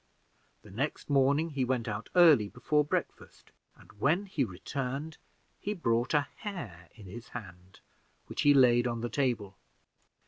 The next morning he went out early before breakfast and when he returned, he brought a hare in his hand, which he laid on the table.